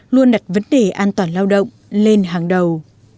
luôn đặt vấn đề an toàn lao động lên hàng đầu